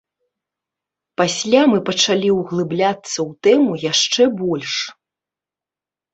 Пасля мы пачалі ўглыбляцца ў тэму яшчэ больш.